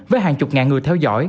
với hàng chục ngàn người theo dõi